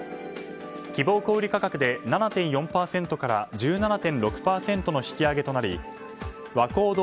希望小売価格で７．４％から１７．６％の引き上げとなり和光堂